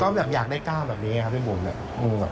ก็อยากได้ก้าวแบบนี้ครับพี่บุ๋